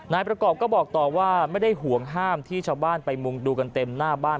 นายประกอบก็บอกต่อว่าไม่ได้ห่วงห้ามที่ชาวบ้านไปมุงดูกันเต็มหน้าบ้าน